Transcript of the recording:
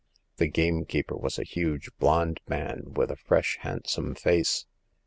The gamekeeper was a huge blond man, with a fresh, handsome face.